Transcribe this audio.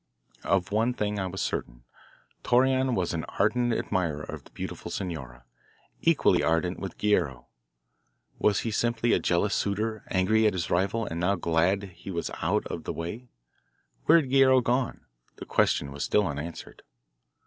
Of one thing I was certain. Torreon was an ardent admirer of the beautiful senora, equally ardent with Guerrero. Was he simply a jealous suitor, angry at his rival, and now glad that he was out of the way? Where had Guerrero gone The question was still unanswered.